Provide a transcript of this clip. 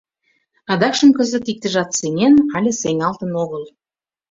Адакшым кызыт иктыжат сеҥен але сеҥалтын огыл.